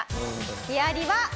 ヒアリは。